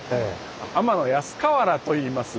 「天安河原」といいます。